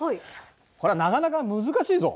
こりゃなかなか難しいぞ。